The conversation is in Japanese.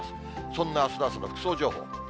そんなあすの朝の服装情報。